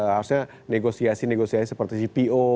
harusnya negosiasi negosiasi seperti cpo